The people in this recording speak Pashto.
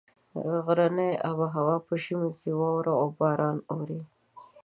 غرني آب هوا په ژمي کې واوره او باران اوري.